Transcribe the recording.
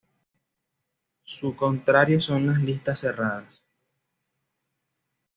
Su contrario son las "listas cerradas".